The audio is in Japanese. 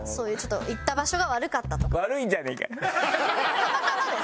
たまたまです。